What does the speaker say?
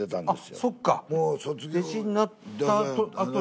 あっそっか弟子になったあとに。